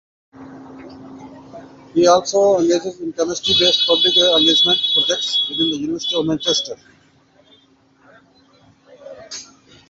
He also engages in chemistry based public engagement projects within the University of Manchester.